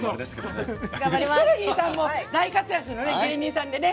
ヒコロヒーさんも大活躍の芸人さんでね。